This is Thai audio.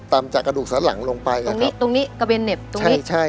ตามจากกระดูกสลังลงไปนะครับตรงนี้ตรงนี้กระเบนเหน็บใช่ใช่